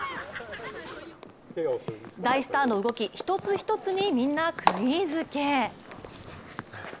大スターの動き一つ一つにみんなくぎづけ。